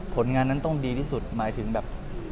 ผลงานนั้นต้องดีที่สุดหมายถึงแบบ